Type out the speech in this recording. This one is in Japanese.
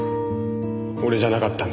俺じゃなかったんだ。